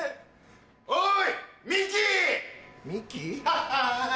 おい！